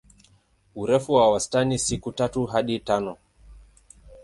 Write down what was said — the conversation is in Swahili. Urefu wa wastani siku tatu hadi tano.